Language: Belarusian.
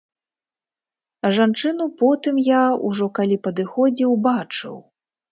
Жанчыну потым я, ужо калі падыходзіў, бачыў.